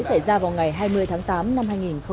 xảy ra vào ngày hai mươi tháng tám năm hai nghìn một mươi chín